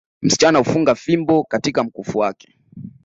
Msichana hufunga fimbo katika mkufu wake